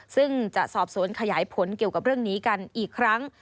ซึ่งจะสอบสวนขยายผลเกี่ยวกับเรื่องนี้กันอีกครั้ง